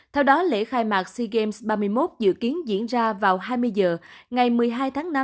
theo đó lễ khai mạc sea games ba mươi một dự kiến diễn ra vào hai mươi h ngày một mươi hai tháng năm